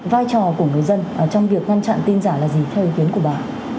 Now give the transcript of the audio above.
vai trò của người dân trong việc ngăn chặn tin giả là gì theo ý kiến của bà